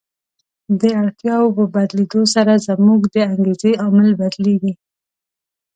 د اړتیاوو په بدلېدو سره زموږ د انګېزې عامل بدلیږي.